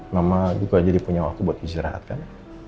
nama juga jadi punya waktu buat dijerahatkan